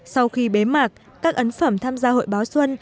sau khi bế mạc các ấn phẩm tham gia hội báo xuân